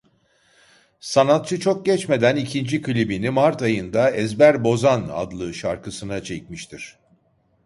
Sanatçı çok geçmeden ikinci klibini mart ayında "Ezberbozan" adlı şarkısına çekmiştir.